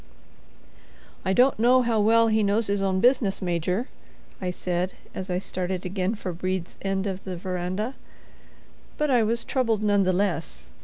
"I don't know how well he knows his own business, Major," I said as I started again for Brede's end of the veranda. But I was troubled none the less.